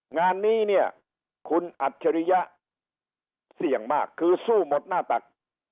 งานนี้เนี่ยคุณอัจฉริยะเสี่ยงมากคือสู้หมดหน้าตัก